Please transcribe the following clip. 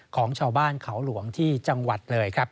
ของชาวบ้านเขาหลวงที่จังหวัดเลยครับ